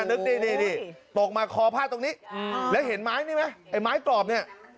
นึกนี่ตกมาคอผ้าตรงนี้แล้วเห็นไม้นี่ไหมไอ้ไม้กรอบเนี่ย